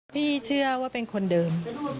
พี่เชื่อว่าเป็นคนเดิม